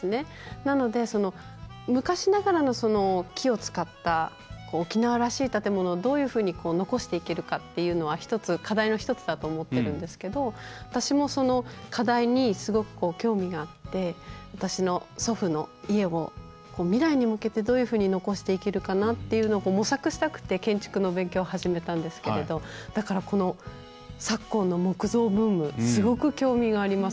なので、昔ながらの木を使った沖縄らしい建物をどういうふうに残していけるかっていうのは課題の１つだと思ってるんですけど私も、その課題にすごく興味があって私の祖父の家を未来に向けてどういうふうに残していけるかなっていうのを模索したくて建築の勉強を始めたんですけれどだから、この昨今の木造ブームすごく興味があります。